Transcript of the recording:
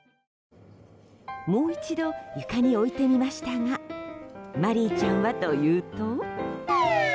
もう一度、床に置いてみましたがマリーちゃんはというと。